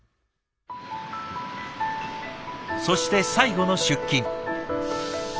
そして最後の出勤。